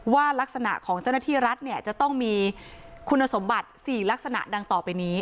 ลักษณะของเจ้าหน้าที่รัฐเนี่ยจะต้องมีคุณสมบัติ๔ลักษณะดังต่อไปนี้